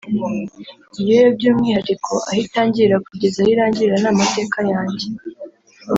iyo yo by'umwihariko aho itangirira kugeza aho irangira ni amateka yanjye